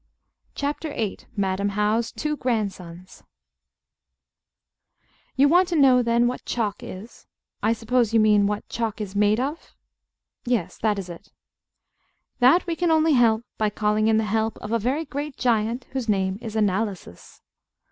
CHAPTER VIII MADAM HOW'S TWO GRANDSONS You want to know, then, what chalk is? I suppose you mean what chalk is made of? Yes. That is it. That we can only help by calling in the help of a very great giant whose name is Analysis.